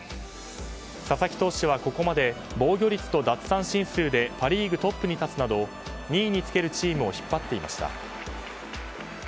佐々木投手はここまで防御率と奪三振数でパ・リーグトップに立つなど２位につけるチームを引っ張っていました。